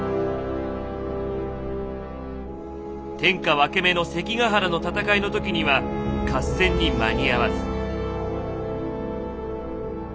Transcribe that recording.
天下分け目の関ヶ原の戦いの時には合戦に間に合わず。